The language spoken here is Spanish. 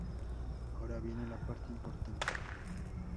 Ahora viene la parte importante.